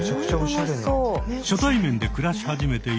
初対面で暮らし始めて１年。